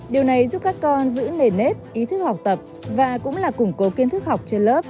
điều này giúp các con giữ nền nếp ý thức học tập và cũng là củng cố kiến thức học trên lớp